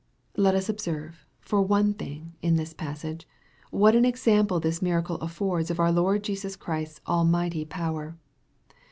Let us observe, for one thing, in this passage, tuhat an example this miracle affords of our Lord Jesus Christ s al mighty power.